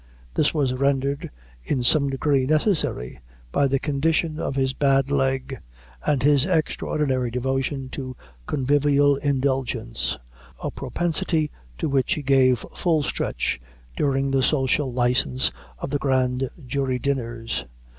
This was rendered in some degree necessary, by the condition of his bad leg, and his extraordinary devotion to convivial indulgence a propensity to which he gave full stretch during the social license of the grand jury dinners.